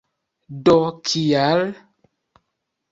Do kial?